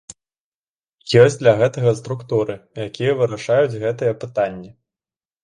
Ёсць для гэтага структуры, якія вырашаюць гэтыя пытанні.